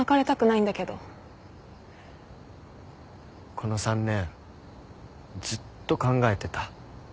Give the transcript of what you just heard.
この３年ずっと考えてた。